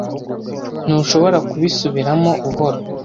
Ntushobora kubisubiramo buhoro?